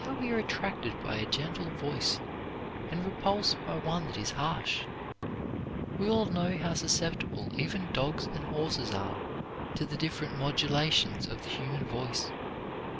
How we are attracted by a gentle voice, and repulsed by one that is harsh! We all know how susceptible even dogs and horses are to the different modulations of the human voice.